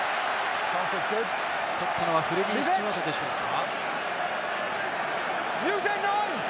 取ったのはフレディー・スチュワードでしょうか。